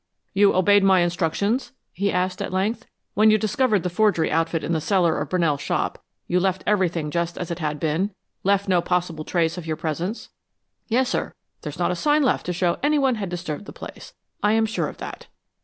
"You obeyed my instructions?" he asked at length. "When you discovered the forgery outfit in the cellar of Brunell's shop, you left everything just as it had been left no possible trace of your presence?" "Yes, sir. There's not a sign left to show any one had disturbed the place. I am sure of that."